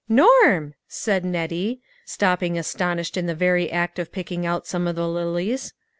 " Norm !" said Nettie, stopping astonished in the very act of picking out some of the lilies.